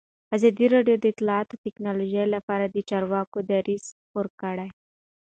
ازادي راډیو د اطلاعاتی تکنالوژي لپاره د چارواکو دریځ خپور کړی.